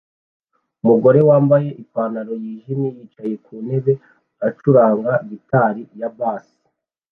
Umugore wambaye ipantaro yijimye yicaye ku ntebe acuranga gitari ya bass